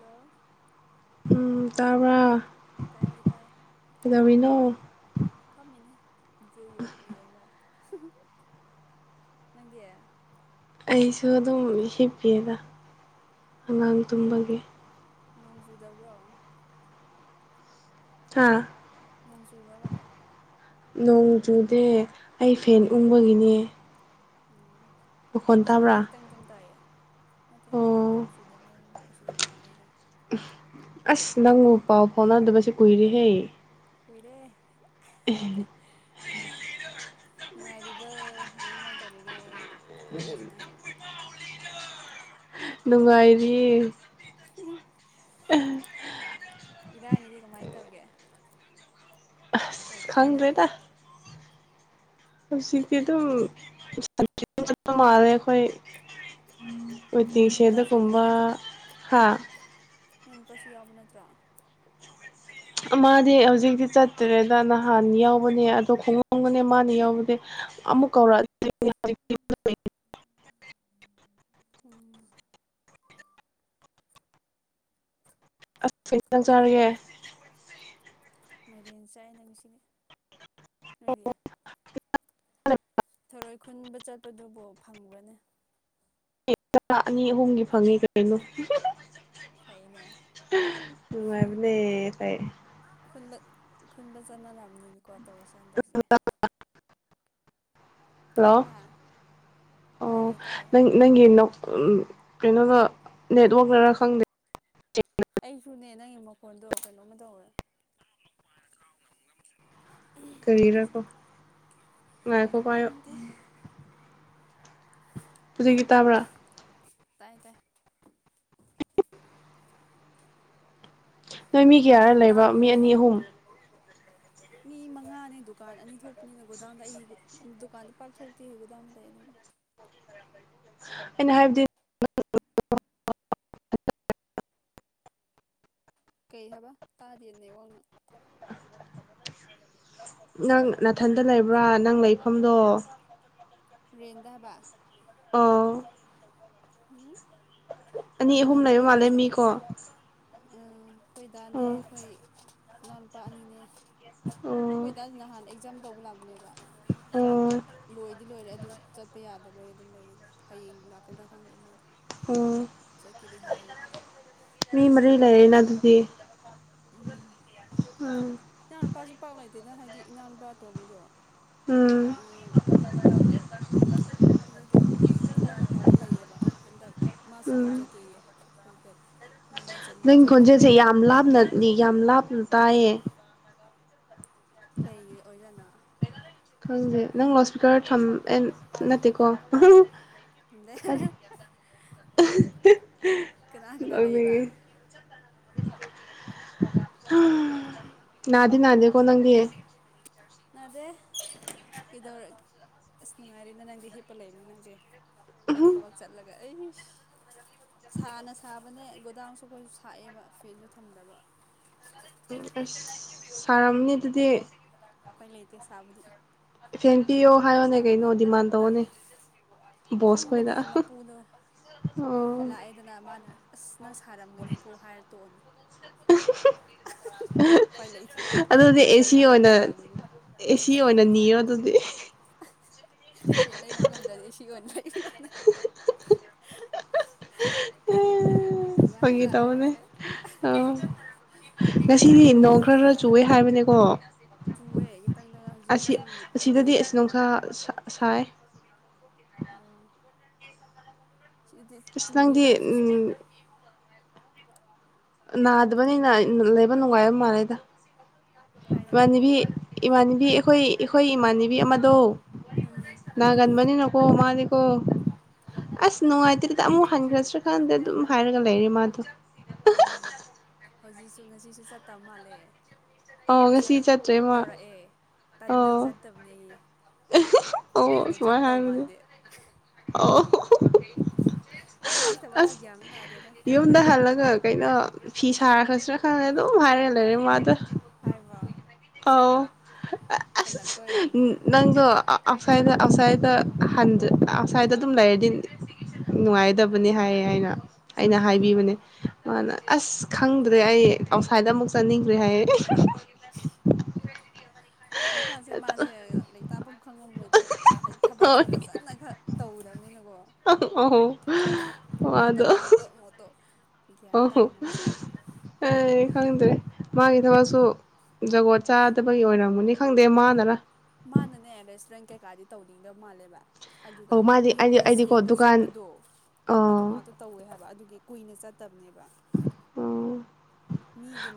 ꯂꯣ ꯎꯝ ꯇꯥꯄ ꯇꯥꯏ ꯇꯥꯏ ꯐꯥꯝꯃꯤꯅꯤ ꯏꯆ ꯌꯧꯉꯒ ꯅꯪ ꯑꯩꯁꯨ ꯑꯗꯨꯝ ꯍꯤꯞꯄꯤꯦꯗ ꯑꯉꯥꯡ ꯇꯨꯝꯝꯕꯒꯤ ꯅꯣꯡꯖꯨꯗꯕ꯭ꯔꯣ ꯑꯥ ꯅꯣꯡ ꯆꯨꯔꯕ ꯅꯣꯡ ꯆꯨꯗꯦ ꯑꯩ ꯐꯦꯟ ꯎꯪꯕꯒꯤꯅꯦ ꯎꯝ ꯃꯈꯣꯟ ꯑꯁꯤꯗꯗꯤ ꯇꯥꯕ꯭ꯔꯥ ꯈꯤꯇꯪꯇꯪ ꯇꯥꯏꯌꯦ ꯅꯠꯇꯦ ꯑꯣ ꯅꯣꯡ ꯆꯨꯗꯕꯝ ꯑꯁꯤꯗ ꯇꯥꯕꯩꯀꯣ ꯑꯁ ꯅꯪꯕꯨ ꯄꯥꯎ ꯐꯥꯎꯅꯗꯕꯁꯦ ꯀꯨꯏꯔꯤꯍꯦ ꯀꯨꯏꯔꯦ ꯎ ꯉꯥꯏꯔꯤꯕ ꯀꯃꯥꯏ ꯀꯃꯥꯏ ꯇꯧꯔꯤꯒꯦ ꯏꯔꯥꯡꯁꯤꯅ ꯅꯨꯡꯉꯥꯏꯔꯤ ꯎꯝ ꯏꯔꯥꯡ ꯏꯗꯤ ꯀꯃꯥꯏꯅ ꯇꯧꯒꯦ ꯑꯁ ꯀꯩ ꯀꯩ ꯈꯪꯗ꯭ꯔꯦꯗ ꯍꯥꯏꯅꯔꯒꯦ ꯍꯧꯖꯤꯛꯇꯤ ꯑꯗꯨꯝ ꯃꯥꯔꯦ ꯑꯩꯈꯣꯏ ꯅꯣꯏ ꯅꯨꯄꯥ ꯏꯇꯤꯁꯗ ꯆꯠꯈꯤꯕ ꯀꯨꯝꯕ ꯍꯥ ꯅꯅꯄꯁꯨ ꯌꯥꯎꯕ ꯅꯠꯇ꯭ꯔꯣ ꯃꯥꯗꯤ ꯍꯧꯖꯤꯛꯇꯤ ꯆꯠꯇ꯭ꯔꯦꯗ ꯅꯍꯥꯟ ꯌꯥꯎꯕꯅꯦ ꯑꯗꯣ ꯈꯣꯡꯎꯣꯝꯒꯅꯦ ꯃꯥꯅ ꯌꯥꯎꯕꯗꯤ ꯑꯃꯨꯛ ꯀꯧꯔꯛꯑ ꯎꯝ ꯐꯪ ꯐꯩ ꯆꯔꯒꯦ ꯐꯩ ꯃꯥꯏꯔꯦꯟ ꯆꯥꯏꯅ ꯉꯁꯤꯅꯦ ꯅꯣꯏꯗꯤ ꯊꯔꯣꯏ ꯈꯨꯟꯕ ꯆꯠꯄꯗꯨꯕꯨ ꯐꯪꯒ꯭ꯔꯅꯤ ꯥ ꯑꯅꯤ ꯑꯍꯨꯝꯒꯤ ꯐꯪꯉꯤ ꯀꯩꯅꯣ ꯐꯩꯅꯦ ꯉꯥꯏꯕꯅꯦ ꯐꯥꯏ ꯈꯨꯟꯕ ꯈꯨꯟꯕ ꯆꯠꯅꯔꯔꯕꯅꯤꯅꯀꯣ ꯇꯧꯔꯤꯁꯦ ꯍꯟꯗꯛꯁꯦ ꯍꯜꯂꯣ ꯍꯥ ꯑꯣ ꯇꯥꯏꯌꯦ ꯇꯥꯏꯌꯦ ꯅꯪ ꯅꯪꯩꯅꯣ ꯀꯩꯅꯣꯗ ꯅꯦꯠꯋꯥꯛꯛ ꯈꯔꯥ ꯈꯪꯗꯦ ꯁꯤꯁꯨꯅꯦ ꯅꯪꯒꯤ ꯃꯈꯣꯟꯗꯣ ꯀꯩꯅꯣꯝꯃ ꯇꯧꯔꯦ ꯀꯔꯤ ꯔꯀꯣ ꯉꯥꯏꯈꯣ ꯄꯥꯏꯌꯨ ꯈꯪꯗꯦ ꯍꯧꯖꯤꯛꯀꯤ ꯇꯥꯕ꯭ꯔꯥ ꯇꯥꯏ ꯇ ꯅꯣꯏꯃꯤ ꯀꯤꯌꯥꯔ ꯂꯩꯕ ꯃꯤ ꯇꯥꯕ꯭ꯔꯣ ꯑꯅꯤ ꯑꯍꯨꯝ ꯃꯤ ꯃꯉꯥꯅꯦ ꯗꯨꯀꯥꯟ ꯑꯅꯤ ꯊꯣꯛꯄꯅꯤꯅ ꯒꯣꯗꯥꯎꯟꯗ ꯑꯩꯅꯤ ꯗꯨꯀꯥꯟꯗ ꯄꯥꯛꯊ ꯊꯣꯛꯇꯦ ꯒꯣꯗꯥꯎꯟꯗ ꯂꯩ ꯑꯗꯨꯝ ꯑꯩꯅ ꯍꯥꯏꯕꯗꯤ ꯀꯩ ꯍꯥꯏꯕ ꯇꯥꯗꯦꯅꯦ ꯋꯥꯡꯅ ꯅꯪ ꯅꯥꯊꯟꯗ ꯂꯩꯕ꯭ꯔꯥ ꯅꯪ ꯂꯩꯐꯝꯗꯣ ꯔꯦꯟꯗꯥꯕ ꯑꯣ ꯎꯝ ꯑꯅꯤ ꯅꯍꯥꯟ ꯑꯍꯨꯝ ꯑꯩꯈꯣꯏ ꯂꯩꯕ ꯃꯥꯜꯂꯦ ꯗꯥꯁꯨ ꯃꯤꯀꯣ ꯑꯩꯈꯣꯏꯗꯥꯅꯦ ꯑꯣ ꯑꯩꯈꯣꯏ ꯏꯅꯥꯎꯅꯨꯄꯥ ꯑꯅꯤꯅꯦ ꯑꯣ ꯑꯩꯣꯏꯗꯥ ꯅꯍꯥꯟ ꯑꯦꯛꯖꯥꯝ ꯇꯧꯕ ꯂꯥꯛꯄꯅꯦꯕ ꯑꯗꯨ ꯑꯣ ꯂꯣꯏꯗꯤ ꯂꯣꯏꯔꯦ ꯑꯗꯨ ꯆꯠꯄ ꯌꯥꯗꯕꯩ ꯑꯗꯨꯝ ꯂꯩꯔꯤꯅꯦ ꯍꯌꯦꯡ ꯂꯥꯛꯀꯗ꯭ꯔꯥ ꯐꯪꯗꯦ ꯃꯥꯗ ꯑꯣ ꯆꯠꯀꯤꯗꯤꯍꯜ ꯍꯧꯕꯅꯦ ꯃꯤ ꯃꯔꯤ ꯂꯩꯔꯅ ꯑꯗꯨꯗꯤ ꯎꯝ ꯎꯝ ꯏꯅꯥꯎꯅꯨꯄꯥꯁꯨ ꯄꯥꯛ ꯂꯩꯇꯦꯗ ꯍꯥꯏꯗꯤ ꯏꯅꯥꯎꯅꯨꯄꯥ ꯑ ꯇꯧꯕꯗꯣ ꯎꯝ ꯑꯗꯨꯒꯤ ꯊꯕꯛ ꯃꯐꯝꯗ ꯂꯩꯌꯦꯕ ꯍꯟꯗꯛ ꯃꯥꯁꯨ ꯎꯝ ꯌꯨꯝꯖꯒꯦꯌꯦ ꯑꯗꯨꯗ ꯃꯣꯏꯅꯤ ꯅꯪ ꯆꯟꯃꯤꯟꯅ ꯈꯣꯟꯖꯦꯜꯁꯦ ꯌꯥꯝ ꯂꯥꯞꯅꯅꯤ ꯌꯥꯝ ꯂꯥꯞ ꯇꯌꯦ ꯀꯩꯒꯤ ꯑꯣꯏꯖꯅ ꯈꯪꯗꯦ ꯅꯪ ꯂꯥꯎ ꯏꯁꯄꯤꯀꯔ ꯊꯝ ꯑꯦ ꯅꯠꯇꯦꯀꯣ ꯎꯗ ꯀꯅꯥ ꯀꯅꯥ ꯂꯩꯕ ꯅꯥꯗꯤ ꯅꯥꯗꯤꯦ ꯀꯅꯪꯗꯤ ꯑꯗꯦ ꯀꯩꯗꯧꯔꯒꯦ ꯑꯁ ꯅꯨꯡꯉꯥꯏꯔꯦꯅꯦ ꯅꯪꯗꯤ ꯍꯤꯞꯄ ꯂꯩꯕꯅꯤ ꯅꯪꯁꯦ ꯑꯩꯈꯣꯏ ꯊꯕꯛ ꯆꯠꯂꯒ ꯑꯩ ꯁꯥꯅ ꯁꯥꯕꯅꯦ ꯒꯣꯗꯥꯎꯟꯁꯨ ꯑꯩꯈꯣꯏꯁꯨ ꯁꯥꯛꯑꯦꯕ ꯐ꯭ꯔꯤꯖꯁꯨ ꯊꯝꯗꯕ ꯑꯁ ꯁꯥꯔꯝꯅꯤ ꯑꯗꯨꯗꯤ ꯄ ꯂꯩꯇ ꯁꯕꯗꯤ ꯁꯦꯟ ꯄꯤꯌꯣ ꯍꯥꯏꯌꯣꯅꯦ ꯀꯩꯅꯣ ꯗꯤꯃꯥꯟ ꯇꯧꯑꯣꯅꯦ ꯕꯣꯁ ꯈꯣꯏꯗ ꯈꯪꯕꯅꯤ ꯃꯄꯨꯗꯣ ꯑꯣ ꯂꯥꯛꯑꯦꯗꯅ ꯃꯥꯅ ꯑ ꯅꯪ ꯁꯥꯔꯝꯒꯅꯤꯀꯣ ꯍꯥꯏꯔ ꯇꯣꯛꯑꯅꯤ ꯄꯥꯏ ꯂꯩꯛꯁꯦ ꯑꯗꯨꯗꯤ ꯃꯣꯏꯅ ꯑꯦꯁꯤ ꯈꯪꯉ ꯑꯣꯏꯅ ꯄꯤꯗꯕꯅꯤꯅ ꯑꯦꯁꯤ ꯑꯣꯏꯅ ꯅꯤꯔꯣ ꯑꯗꯨꯗꯤ ꯄꯂ ꯏꯕ ꯉ ꯑꯗꯨꯗꯤ ꯁꯤ ꯑꯣꯏꯅꯅ ꯐꯪꯒꯤꯦ ꯇꯧꯕꯅꯦ ꯑ ꯉꯁꯤꯗꯤ ꯅꯣꯡ ꯈꯔ ꯆꯋꯦ ꯍꯥꯏ ꯃꯅꯦ ꯀꯣ ꯆꯨꯑꯦ ꯈꯤꯇꯪꯗꯪ ꯍꯧꯖꯤꯛ ꯆꯨꯔꯤꯌꯦ ꯉꯥꯁꯥꯏ ꯁꯤ ꯑꯁ ꯆꯨꯔꯤꯦꯗ ꯅꯪꯗꯤ ꯍꯧꯖꯤꯛ ꯁ ꯅꯥꯗꯕꯅꯤꯅ ꯂꯩꯕ ꯅꯨꯡꯉꯥꯏꯕ ꯃꯥꯜꯂꯦꯗ ꯀꯥꯏꯗꯩꯗꯅ ꯏꯃꯥꯟꯕꯤ ꯏꯃꯥꯟꯕꯤ ꯑꯩꯈꯣꯏ ꯑꯩꯈꯣꯏ ꯏꯃꯥꯟꯅꯕꯤ ꯑꯃꯗꯣ ꯑꯥ ꯅꯒꯟꯕꯅꯤꯀꯣ ꯑꯣ ꯃꯥꯅꯤꯀꯣ ꯑꯁ ꯑꯥ ꯅꯨꯡꯉꯥꯏꯇꯔꯤꯗ ꯑꯃꯨꯛ ꯍꯟꯈꯔꯥꯁꯤꯔ ꯈꯥꯟꯗ ꯑꯗꯨꯝ ꯍꯥꯏꯔꯒ ꯂꯩꯔꯤ ꯃꯥꯗꯨ ꯑꯥ ꯍꯧꯖꯤꯛꯁꯨ ꯉꯁꯤꯁꯨ ꯆꯠꯇꯕ ꯃꯥꯜꯂꯦ ꯑꯣ ꯉꯁꯥꯏ ꯉꯁꯤ ꯆꯠꯇ꯭ꯔꯦꯃ ꯇꯧꯔꯛꯑꯦ ꯇꯟꯕꯒꯤ ꯑꯣ ꯆꯠꯇꯕꯅꯦꯌꯦ ꯑꯣ ꯀꯨꯏꯅ ꯁꯨꯃꯥꯏꯅ ꯆꯠꯇꯧ ꯍꯥꯏꯕꯅꯦ ꯃꯥꯟꯗꯦ ꯑꯣ ꯃꯥꯏ ꯊꯕꯛꯁꯨ ꯑꯁ ꯒ꯭ꯌꯥꯟ ꯑꯃ ꯇꯥꯗꯦꯗ ꯌꯨꯝꯗ ꯍꯜꯂꯒ ꯀꯩꯅꯣ ꯐꯤ ꯁꯥꯔꯈ꯭ꯔꯁꯨꯅ ꯈꯪꯉꯦ ꯑꯗꯨꯝ ꯍꯥꯏꯔꯦ ꯂꯩꯔꯦ ꯃꯥꯗ ꯍꯥꯏꯕ꯭ꯔꯣ ꯑꯥꯎ ꯇꯜꯂꯛꯄ ꯑꯣꯏꯔꯝꯅꯤꯌꯦ ꯅꯪꯒ ꯑꯥꯎꯠꯁꯥꯏꯗꯠꯇ ꯑꯥꯎꯠꯁꯥꯏꯠꯇ ꯑꯥꯎꯠꯁꯥꯏꯗꯠꯇ ꯑꯗꯨꯝ ꯂꯩꯔꯗꯤ ꯅꯨꯡꯉꯥꯏꯗꯕꯅꯤ ꯍꯥꯏꯌꯦ ꯍꯥꯏꯅ ꯑꯩꯅ ꯑꯥ ꯍꯥꯏꯕꯤꯕꯅꯦ ꯑꯥ ꯑꯁ ꯈꯪꯗ꯭ꯔꯦ ꯑꯩ ꯑꯥꯎꯠꯁꯥꯏꯗ ꯑꯃꯨꯛ ꯆꯠꯅꯤꯡꯈ꯭ꯔꯦ ꯍꯥꯏꯌꯦ [unintelligible] ꯋꯥꯈꯜꯁꯦ ꯃꯥꯁꯦ ꯂꯩꯔꯤꯇꯥꯥꯐꯝ ꯈꯪꯉꯝꯃꯣꯏꯗ ꯍꯥꯏꯗꯤ ꯊꯕꯛꯁꯨ ꯐꯖꯅ ꯈꯔ ꯇꯧꯗꯕꯅꯤꯅꯀꯣ ꯑꯧ ꯑꯃꯨꯛ ꯃꯗꯣ ꯇꯧꯔꯦ ꯑꯃꯨꯛ ꯇꯣꯛ ꯑꯃꯨꯛ ꯇꯣꯛ ꯒ꯭ꯌꯥꯟ ꯑꯣꯣ ꯇꯥꯔꯝꯃꯣꯏ ꯃꯁꯥꯁꯨ ꯑ ꯍꯗ꯭ꯔꯦ ꯃꯥꯒꯤ ꯊꯕꯛꯁꯨ ꯖꯒꯣꯠ ꯆꯥꯗꯕꯒꯤ ꯑꯣꯏꯔꯝꯒꯅꯤ ꯈꯪꯗꯦ ꯃꯥꯗꯅ ꯃꯥꯅꯅꯦ ꯔꯦꯁꯇꯨꯔꯦꯟ ꯀꯩꯀꯥꯗꯤ ꯇꯧꯅꯤꯡꯗꯧ ꯃꯥꯜꯂꯦꯕ ꯑꯗꯨꯒ ꯑꯧ ꯃꯥꯗꯤ ꯑꯩꯗꯤ ꯌꯨꯝꯗ ꯑꯩꯗꯤꯀꯣ ꯁꯦꯡꯒ ꯗꯨꯀꯥꯟ ꯆꯠꯄꯗꯣ ꯑ ꯑꯗꯨ ꯉꯥꯛꯇ ꯇꯧꯋꯦ ꯍꯥꯏꯕ ꯑꯗꯨꯒꯤ ꯀꯨꯏꯅ ꯆ ꯇꯝꯅꯦꯕ ꯑꯣ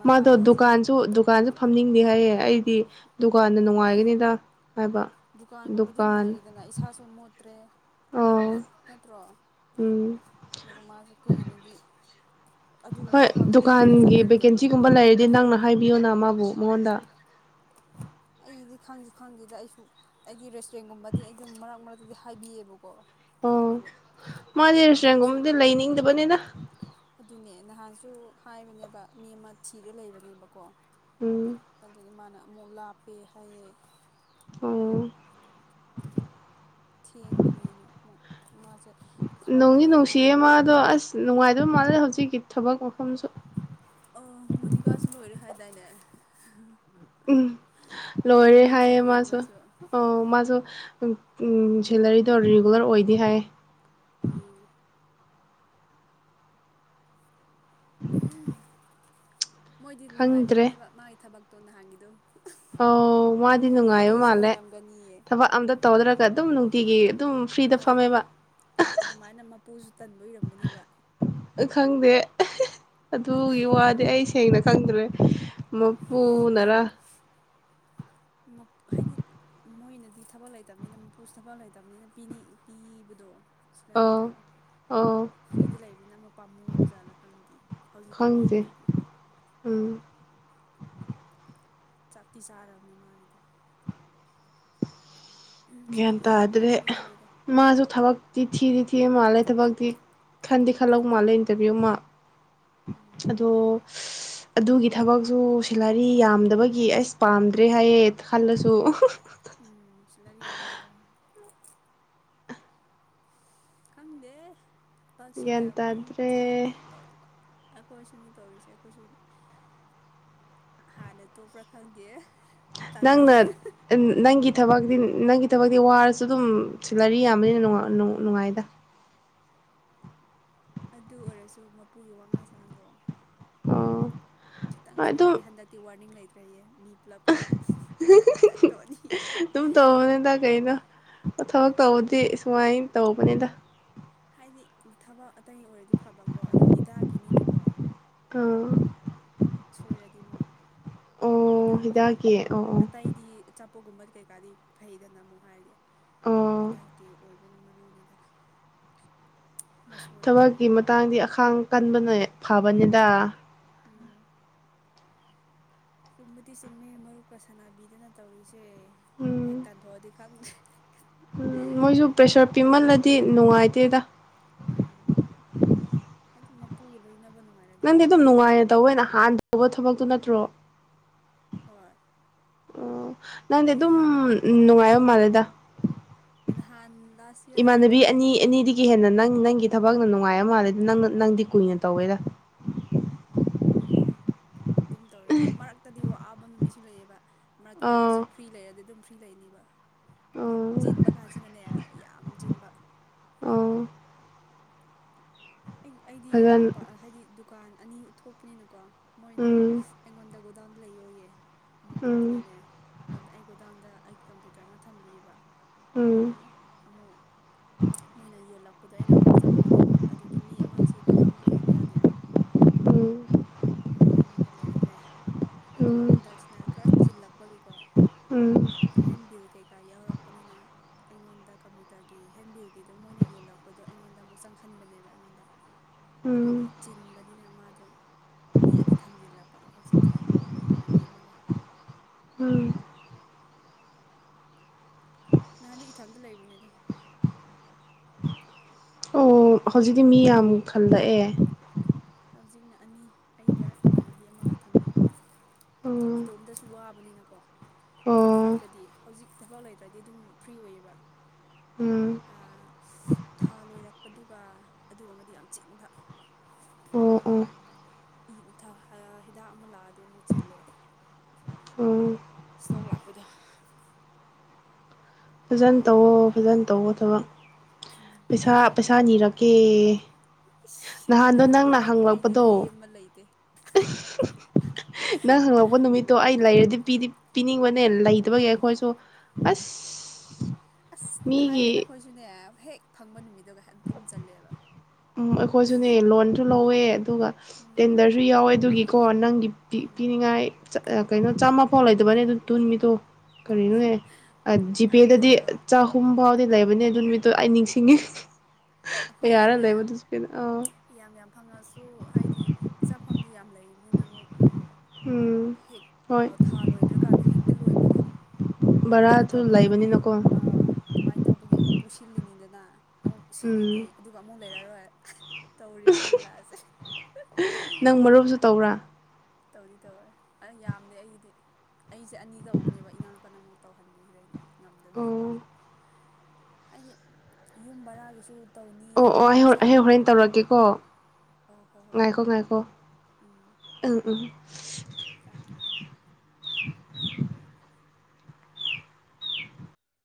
ꯃꯥꯗꯣ ꯍꯧꯖꯤꯛ ꯗꯨꯀꯥꯟꯁꯨ ꯗꯨꯀꯥꯟꯁꯨ ꯐꯝꯅꯤꯡꯗꯦ ꯍꯥꯏꯌꯦ ꯑꯩꯗꯤ ꯗꯨꯀꯥꯟꯗ ꯅꯨꯡꯉꯥꯏꯒꯅꯤꯗ ꯍꯥꯏꯕ ꯗꯨꯀꯥꯟꯒꯨꯝꯕꯗꯤ ꯗꯨꯀꯥꯟ ꯅꯨꯡꯉꯥꯏꯔꯤꯗꯅ ꯏꯁꯥꯁꯨ ꯃꯣꯠꯇ꯭ꯔꯦ ꯑꯣ ꯅꯠꯇ꯭ꯔꯣ ꯎꯝ ꯑꯗꯨꯒ ꯃꯥꯁꯨ ꯀꯨꯏꯅꯗꯤ ꯑꯗꯨꯒꯨꯝꯕ ꯍꯣꯏ ꯊꯕꯥꯛꯇꯨꯗꯤ ꯀꯨꯏꯅ ꯗꯨꯀꯥꯟꯒꯤ ꯆꯠꯅꯤꯡꯗꯕꯅꯦꯕ ꯚꯦꯀꯦꯟꯁꯤꯒꯨꯝꯕ ꯂꯩꯔꯗꯤ ꯅꯪꯅ ꯍꯥꯏꯕꯤꯌꯣ ꯅ ꯃꯥꯕꯨ ꯃꯣꯍꯟꯗ ꯑꯩꯗꯤ ꯈꯪꯁꯨ ꯈꯪꯗꯦꯗ ꯑꯩꯁꯨ ꯑꯩꯒꯤ ꯆ꯭ꯔꯦꯡꯒꯨꯝꯕꯗꯤ ꯑꯗꯨ ꯃꯔꯛ ꯃꯔꯛ ꯑꯗꯨꯗꯤ ꯍꯥꯏꯕꯤꯑꯕꯀꯣ ꯑꯣ ꯃꯥꯗꯤ ꯅꯍꯥꯟꯁꯨ ꯔꯦꯁꯇꯨꯔꯦꯟꯒꯨꯝꯕꯗꯤ ꯂꯩꯅꯤꯡꯗꯕꯅꯤꯅ ꯑꯗꯨꯅꯦ ꯅꯍꯥꯟꯁꯨ ꯍꯥꯏꯕꯅꯦꯕ ꯃꯤ ꯑꯃ ꯊꯤꯔ ꯂꯩꯕꯅꯦꯕꯀꯣ ꯀꯣ ꯎꯝ ꯑꯗꯨꯒ ꯃꯥꯅ ꯃꯣ ꯂꯥꯞꯄꯦ ꯍꯥꯏꯌꯦ ꯑ ꯊꯦꯡꯕꯅꯦꯅ ꯑꯃꯨꯛ ꯃꯥꯁꯦ ꯊꯕꯛ ꯑꯃ ꯅꯣꯡꯒꯤ ꯂꯩꯔꯦ ꯅꯨꯡꯁꯤꯌꯦ ꯍꯥꯏꯔꯒ ꯃꯥꯗꯣ ꯑꯁ ꯅꯨꯡꯉꯥꯏ ꯑꯗꯨꯣ ꯃꯥꯜꯦ ꯍꯧꯖꯤꯛꯒ ꯒꯤꯠ ꯊꯕ ꯃꯣꯁꯨꯣꯟꯁꯨꯣ ꯑ ꯃꯣꯅꯤꯀꯥꯁꯨ ꯂꯣꯏꯔꯦ ꯍꯥꯏꯥꯏ ꯇꯥꯏꯅꯦ ꯎꯝ ꯂꯣꯏꯔ ꯍꯌꯦ ꯃ ꯊꯤꯔꯦꯅꯦ ꯃꯥꯁꯨ ꯑꯣ ꯃꯣ ꯎ ꯁꯦꯂꯔꯤꯗꯣ ꯔꯤꯒꯨꯂꯔ ꯑꯣꯏꯗꯤ ꯍꯥꯏ ꯑ [unintelligible] ꯃꯣꯏꯗꯤ ꯅꯨꯡꯉꯥꯏꯃꯜꯂꯦꯕ ꯃꯥꯒꯤ ꯊꯕꯛꯇ ꯇꯣꯟꯅ ꯍꯥꯏꯗꯣ ꯑꯣ ꯃꯥꯗꯤ ꯅꯨꯡꯉꯥꯏꯕ ꯃꯥꯜꯂꯦ ꯑꯣꯏꯔꯝꯒꯅꯤꯌꯦ ꯊꯕꯛ ꯑꯝꯇ ꯇꯧꯗ꯭ꯔꯒ ꯑꯗꯨꯝ ꯅꯨꯡꯇꯤꯒꯤ ꯑꯗꯨꯝ ꯐ꯭ꯔꯤꯗ ꯍꯣꯏ ꯍꯣꯏ ꯐꯝꯃꯦꯕ ꯑꯗꯨꯃꯥꯏꯅ ꯃꯄꯨꯁꯨ ꯇꯟꯕ ꯑꯣꯏꯔꯝꯒꯅꯦꯕ ꯈꯪꯗꯦ ꯑꯗꯨꯒꯤ ꯋꯥꯗꯤ ꯑꯩ ꯁꯦꯡꯅ ꯈꯪꯗ꯭ꯔꯦ ꯃꯄꯨꯅꯔꯥ ꯍꯥꯏꯗꯤ ꯃꯣꯏꯅꯗꯤ ꯊꯕꯛ ꯂꯩꯇꯕꯅꯤꯅ ꯃꯄꯨꯁꯨ ꯊꯕꯛ ꯂꯩꯇꯕꯅꯤꯅ ꯄꯤꯅꯤꯡ ꯄꯤꯕꯗꯣ ꯑꯧ ꯁꯂꯔꯤꯗꯣ ꯑꯧ ꯐ꯭ꯔꯤꯗ ꯂꯩꯕꯅꯤꯅ ꯑꯃꯨꯛ ꯄꯥꯝꯃꯨ ꯕꯖꯥꯠꯅ ꯈꯪꯗꯦ ꯍꯧꯖꯤꯛꯐꯥꯎ ꯈꯪꯗꯦ ꯄꯤꯗ꯭ꯔꯤꯗꯤ ꯎꯝ ꯆꯞꯇꯤ ꯆꯥꯔꯔꯕꯅꯦ ꯃꯥꯒꯤꯗꯨ ꯃꯣꯏ ꯑꯦꯇ꯭ꯔꯦ ꯄꯤꯒꯜꯂꯦꯗ ꯃꯥꯁꯨ ꯊꯕꯇ ꯊꯤ ꯁꯤ ꯃꯥꯜꯂꯦ ꯊꯕꯛꯇꯤ ꯈꯟꯗꯤꯦ ꯈꯜꯂꯧ ꯃꯥꯜꯂꯦ ꯏꯟꯇꯔꯚꯤꯌꯨ ꯑꯃ ꯎꯝ ꯑꯗꯣ ꯑꯗꯨꯒꯤ ꯊꯕꯛꯁꯨ ꯁꯦꯂꯔꯤ ꯌꯥꯝꯗꯕꯒꯤ ꯑꯁ ꯄꯥꯝꯗ꯭ꯔꯦ ꯍꯥꯏꯌꯦꯦ ꯈꯜꯂꯁꯨ ꯎꯝ ꯁꯤꯜꯂꯔꯤ ꯌꯥꯝꯗꯦ ꯍꯥꯏꯅꯦ ꯀꯪꯗꯦ ꯊꯇꯛꯁꯤꯅ ꯒ꯭ꯌꯥꯟ ꯇꯥꯗ꯭ꯔꯦ ꯄꯪꯊꯤ ꯄꯪꯇꯣꯛꯄ ꯑꯩꯈꯣꯏꯁꯨꯅꯤ ꯇꯧꯔꯤꯁꯦ ꯑꯩꯈꯣꯏꯁꯨ ꯍꯥꯟꯅ ꯇꯣꯛꯄ꯭ꯔꯥ ꯈꯪꯗꯦ ꯅꯪꯅ ꯇꯥꯟꯊꯣꯛꯄ ꯅꯪ ꯊꯕꯛꯇꯤ ꯅꯪꯒꯤ ꯊꯕꯛꯇꯤ ꯋꯥꯔꯁꯨ ꯑꯗꯨꯝ ꯁꯤꯂꯔꯤ ꯌꯥꯝꯕꯅꯤꯅ ꯅꯨꯡꯉꯥꯏꯗ ꯑꯗꯨ ꯑꯣꯏꯔꯁꯨ ꯃꯄꯨꯒꯤ ꯋꯥꯉꯥꯡ ꯁꯥꯉꯥꯡꯗꯣ ꯑꯣ ꯈꯤꯇꯪ ꯍꯣꯏ ꯑꯗꯨꯝ ꯁꯣꯏꯂꯗꯤ ꯍꯟꯗꯛꯇꯤ ꯋꯥꯔꯅꯤꯡ ꯂꯩꯇꯦ ꯇ꯭ꯔꯦ ꯃꯤ ꯄꯨꯂꯞꯀꯤ ꯍꯦꯛ ꯇꯟꯊꯣꯛꯑꯅꯤ ꯑꯗꯨꯝ ꯇꯧꯑꯣꯅꯦꯗ ꯀꯩꯅꯣ ꯊꯕꯛ ꯇꯧꯕꯗꯤ ꯁꯨꯃꯥꯏꯅ ꯇꯧꯕꯅꯤꯗ ꯍꯥꯏꯗꯤ ꯊꯕꯛ ꯑꯇꯩ ꯑꯣꯏꯔꯗꯤ ꯐꯕꯀꯣ ꯑꯗꯨ ꯍꯤꯗꯥꯛꯀꯤꯅꯤꯅꯀꯣ ꯇꯣ ꯁꯣꯏꯔꯗꯤ ꯑꯃꯨꯛ ꯍꯤꯗꯥꯛꯅꯤꯅ ꯍꯤꯗꯥꯛꯀꯤ ꯑꯣ ꯑꯣ ꯑꯇꯩꯗꯤ ꯄꯣꯒꯨꯝꯕꯗꯤ ꯀꯩꯀꯥꯗꯤ ꯐꯩꯗꯅ ꯑꯃꯨ ꯍꯥꯏꯔꯗꯤ ꯑꯣ ꯍꯤꯗꯥꯛꯀꯤ ꯑꯣꯏꯕ ꯑꯣꯏꯅ ꯃꯔꯨꯅꯤꯗꯅ ꯑꯃ ꯁꯣꯏꯔꯗꯤ ꯊꯕꯛꯀꯤ ꯃꯇꯥꯡꯗꯤ ꯑꯈꯥꯡ ꯀꯟꯕꯅ ꯐꯕꯅꯤꯗ ꯎꯝ ꯆꯨꯝꯕꯗꯤ ꯆꯨꯝꯃꯦ ꯃꯔꯨꯞꯀ ꯁꯥꯟꯅꯥꯕꯤꯗꯅ ꯇꯧꯔꯤꯁꯦ ꯎꯝ ꯍ‌ꯦꯛꯇꯥꯟ ꯊ‌ꯣꯛ ꯑꯗꯤ ꯈꯪꯗ‌ꯦ ꯎꯝ ꯃꯣꯏꯁꯨ ꯄ꯭ꯔꯦꯁ꯭ꯔ ꯄꯤꯃꯜ ꯂꯩ ꯗꯤ ꯅꯨꯡꯉꯥꯏꯇꯦꯗ ꯎꯝ ꯍꯥꯏꯗꯤ ꯃꯄꯨꯒ ꯂꯣꯏꯅꯕꯅ ꯅꯪꯗꯤ ꯑꯗꯨꯝ ꯅꯨꯡꯉꯥꯏ ꯅꯍꯥꯟꯗ ꯇꯧꯕ ꯊꯕꯛꯇꯨ ꯅꯠꯇ꯭ꯔꯣ ꯍꯣꯏ ꯑ ꯅꯪꯗꯤ ꯑꯗꯨꯝ ꯑꯩ ꯅꯨꯡꯉꯥꯏ ꯃꯥꯜꯂ‌ꯦꯗ ꯅꯍꯥꯟ ꯂꯥꯁ ꯌꯔꯅ ꯏꯃꯥꯟꯅꯕꯤ ꯇꯧꯕꯗꯣ ꯑꯅꯤ ꯑꯅꯤꯗꯒꯤ ꯍꯦꯟꯅ ꯅꯪ ꯅꯪꯒꯤ ꯊꯕꯛꯅ ꯅꯨꯡꯉꯥꯏꯕ ꯃꯥꯜꯂꯦ ꯅꯪ ꯅꯪꯗꯤ ꯀꯨꯏꯅ ꯇꯧꯋꯦꯗ ꯈꯪꯗ‌ꯦꯍꯦ ꯑꯗꯨꯝ ꯇꯧꯔꯤꯅꯤ ꯃꯔꯛꯇꯗꯤ ꯋꯥ ꯕ ꯅꯨꯃꯤꯁꯨ ꯂꯩꯌꯦꯕ ꯃꯔꯛꯇꯅ ꯑꯥ ꯍꯧꯖꯤꯛ ꯐ꯭ꯔꯤ ꯂꯩꯔꯗꯤ ꯑꯗꯨꯝ ꯐ ꯂꯩꯅꯤꯕ ꯑꯥ ꯆꯤꯟꯕ ꯀꯁꯤ ꯅꯅꯦ ꯌꯥꯝ ꯆꯟꯕ ꯑ ꯑꯩ ꯑꯩꯗꯤ ꯐꯖꯅ ꯃꯄꯥ ꯍꯥꯏꯗꯤ ꯗꯨꯀꯥꯟ ꯑꯅꯤ ꯊꯣꯛꯄꯅꯤꯅꯀꯣ ꯃꯣꯏꯅ ꯎꯝ ꯑꯩꯉꯣꯟꯗꯒ ꯗꯥꯟ ꯂꯩꯌꯌꯦ ꯎꯝ ꯃꯄꯨꯗꯨꯅꯅꯦ ꯑꯩ ꯒꯣ ꯗꯥꯎꯟꯗ ꯑꯩꯒꯤ ꯀꯝꯄ꯭ꯌꯨꯇꯔ ꯑꯃ ꯊꯝꯕꯤꯌꯦꯕ ꯎꯝ ꯑꯩꯅ ꯑꯃꯨꯛ ꯃꯣꯏꯅ ꯌꯣꯜꯂꯛꯄꯗꯣ ꯑꯩꯅ ꯑꯃꯨꯛ ꯆꯪꯕꯅꯦꯕ ꯑꯗꯨ ꯦꯝꯃꯁꯤ ꯒꯣꯗꯥꯎꯟꯗ ꯂꯩꯗꯕ ꯌꯥꯗꯦꯕ ꯎꯝ ꯑꯗꯒꯤ ꯑꯩꯉꯣꯟꯗ ꯂꯩꯍꯜꯂꯦ ꯑꯗꯨꯒ ꯍꯟꯗꯛꯁꯤꯅ ꯈꯔ ꯁꯤꯜꯂꯛ ꯃꯒꯤ ꯎꯝ ꯎꯝ ꯍꯦꯟ ꯕꯤꯜ ꯀꯩꯀꯩ ꯀꯩꯀꯥ ꯌꯥꯎꯔꯛꯄꯅꯤꯅ ꯑꯩꯉꯣꯟꯗ ꯀꯝꯄ꯭ꯌꯨꯇꯔꯒꯤ ꯍꯦꯟꯕꯤꯜꯒꯤꯗꯣ ꯃꯣꯏꯅ ꯌꯣꯜꯂꯛꯄꯗꯣ ꯑꯩꯉꯣꯟꯗ ꯑꯃꯨꯛ ꯆꯪꯍꯟꯕꯅꯦꯕ ꯑꯩꯉꯣꯟꯗ ꯎꯝ ꯑꯗꯒꯤ ꯆꯤꯟꯕꯅꯤꯅ ꯃꯥꯗꯣ ꯃꯤ ꯑꯅꯤ ꯊꯝꯖꯤꯜꯂꯕ ꯍꯧꯖꯤꯛꯇꯤ ꯏꯃꯥꯟꯅꯕꯤ ꯑꯃꯒ ꯎꯝ ꯅꯍꯥꯟꯅꯤ ꯏꯊꯥꯟꯝꯇ ꯂꯩꯕꯅꯤꯗ ꯑꯣ ꯍꯧꯖꯤꯛꯇꯤ ꯃꯤ ꯌꯥꯝ ꯈꯜꯂꯛꯑꯦ ꯍꯧꯖꯤꯛꯅ ꯑꯅꯤ ꯑꯩꯒ ꯏꯃꯥꯟꯅꯕꯤ ꯑꯃꯒ ꯊꯝꯕꯤꯕ ꯑꯣ ꯏꯇꯣꯝꯗꯁꯨ ꯋꯥꯕꯅꯤꯅꯀꯣ ꯑꯣ ꯃꯔꯛꯇꯗꯤ ꯍꯧꯖꯤꯛ ꯊꯕꯛ ꯂꯩꯇ꯭ꯔꯗꯤ ꯑꯗꯨꯝ ꯐ꯭ꯔꯤ ꯑꯣꯏꯌꯦꯕ ꯎꯝ ꯊꯥ ꯂꯣꯏꯔꯛꯄꯗꯨꯒ ꯑꯗꯨꯒꯨꯝꯕꯗꯤ ꯌꯥꯝ ꯆꯤꯟꯕ ꯑꯣ ꯑꯣ ꯍꯤꯗꯥꯛ ꯑꯃ ꯂꯥꯛꯑꯗꯤ ꯑꯃꯨꯛ ꯆꯤꯜꯂꯦ ꯑꯣ ꯏꯁꯇꯣꯛ ꯂꯥꯛꯄꯗ ꯐꯖ ꯇꯧꯋꯣ ꯐꯖꯅ ꯇꯧꯕ ꯊꯕꯛ ꯄꯩꯁꯥ ꯄꯩꯁꯥꯅꯤ ꯔ ꯀ ꯏꯁ ꯅꯍꯥꯟꯗꯣ ꯅꯤꯔꯛꯄ ꯅꯪꯅ ꯂꯥꯏꯔꯤ ꯑꯩꯗꯤ ꯍꯪꯂꯛꯄꯗꯣ ꯂꯦꯝꯕ ꯂꯩꯇꯦ ꯅꯪ ꯍꯪꯂꯛꯄ ꯅꯨꯃꯤꯠꯇꯣ ꯑꯩ ꯂꯩꯔꯗꯤ ꯄꯤꯗꯤ ꯄꯤꯅꯤꯡꯕꯅꯦ ꯂꯩꯇꯕꯒꯤ ꯑꯩꯈꯣꯏꯁꯨ ꯑꯁ ꯎ ꯑꯁ ꯍꯥꯏ ꯑꯩꯈꯣꯏꯁꯨꯅꯦ ꯍꯦꯛ ꯐꯪꯕ ꯅꯨꯃꯤꯠꯇꯣꯒ ꯍꯥꯏ ꯑꯗꯨꯝ ꯆꯜꯂꯦꯕ ꯎꯝ ꯑꯩꯈꯣꯏꯁꯨꯅꯦ ꯂꯣꯟꯁꯨ ꯂꯧꯋꯦ ꯑꯗꯨꯒ ꯎꯝ ꯇꯦꯟꯗꯔꯁꯨ ꯌꯥꯎꯋꯦ ꯑꯗꯨꯒꯤꯀꯣ ꯅꯪꯒꯤ ꯎꯝ ꯄꯤꯅꯤꯡꯉꯥꯏ ꯀꯩꯅꯣ ꯆꯥꯝꯃ ꯐꯣꯂꯥꯏꯗꯕꯅꯤꯅꯦ ꯃꯤ ꯇꯣ ꯀꯔꯤꯅꯣꯅꯦ ꯖꯤꯄꯦꯗꯗꯤ ꯃꯔꯛꯇꯗꯤꯀꯣ ꯆꯍꯨꯝ ꯐꯥꯎꯗꯤ ꯂꯩꯕꯅꯦ ꯑꯗꯨ ꯅꯨꯃꯤꯠꯇꯣ ꯑꯩ ꯅꯤꯡꯁꯤꯡꯉꯤ ꯀꯌꯥꯔ ꯑꯩꯈꯣꯏꯁꯨꯅꯦ ꯂꯩꯕꯗꯨ ꯖꯤꯄꯦꯗ ꯑꯥ ꯌꯥꯝ ꯌꯥꯝ ꯐꯪꯉꯁꯨ ꯍꯥꯏꯗꯤ ꯃꯐꯝꯁꯤ ꯌꯥꯝ ꯂꯩꯕꯅꯤꯅ ꯑꯃꯨꯛ ꯎꯝ ꯍꯦꯛ ꯍꯣꯏ ꯊꯥ ꯂꯣꯏꯗ꯭ꯔꯀꯥꯟꯗ ꯍꯦꯛꯇ ꯂꯣꯏꯕꯗꯣ ꯑꯗꯨꯃꯥꯏꯅ ꯕꯔꯥꯁꯨ ꯇꯧꯕꯒꯤ ꯂꯩꯕꯅꯤꯅꯀꯣ ꯑꯗꯨꯃꯥꯏꯅ ꯇꯧꯕꯒꯤ ꯑꯃꯨꯛ ꯄꯨꯁꯤꯜꯂꯤꯉꯩꯗ [unintelligible] ꯎꯝ ꯂꯩꯔꯔꯣꯏ ꯇꯧꯔꯤꯕ ꯂꯤꯂꯥꯁꯦ ꯅꯪ ꯃꯔꯨꯞꯁꯨ ꯇꯧꯕꯔꯥ ꯇꯧꯗꯤ ꯇꯧꯋꯦ ꯑ ꯌꯥꯝꯗꯦ ꯑꯩꯒꯤꯗꯤ ꯑꯩꯁꯦ ꯑꯅꯤ ꯇꯧꯕꯅꯦꯕ ꯏꯅꯥꯎꯅꯨꯄꯥꯅ ꯑꯃꯨꯛ ꯇꯧꯍꯟꯕꯤꯈ꯭ꯔꯦꯅ ꯉꯝꯗꯕ ꯑꯣ ꯍꯥꯏꯗꯤ ꯌꯨꯝ ꯕꯔꯥꯒꯤꯁꯨ ꯑꯣ ꯑꯣ ꯑꯩ ꯑꯩꯦꯟ ꯍꯣꯔꯦꯟ ꯇꯧꯔꯛꯀꯦꯀꯣ ꯑꯣ ꯍꯣꯏ ꯍꯣꯏ ꯉꯥꯏꯈꯣ ꯉꯥꯏꯈꯣ ꯎꯝ ꯎꯝ ꯀꯝ